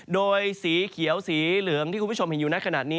โดยสีเขียวสีเหลืองที่คุณผู้ชมเห็นอยู่ในขณะนี้